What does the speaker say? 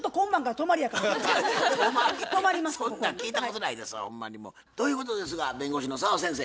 泊まりてそんなん聞いたことないですわほんまにもう。ということですが弁護士の澤先生